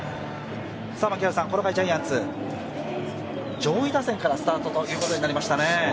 この回ジャイアンツ、上位打線からスタートとなりましたね。